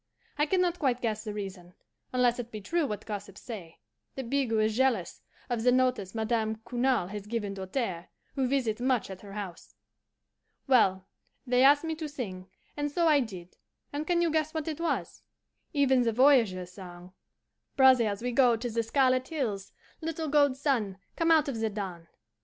I can not quite guess the reason, unless it be true what gossips say, that Bigot is jealous of the notice Madame Cournal has given Doltaire, who visits much at her house. "Well, they asked me to sing, and so I did; and can you guess what it was? Even the voyageurs' song, 'Brothers, we go to the Scarlet Hills, (Little gold sun, come out of the dawn!)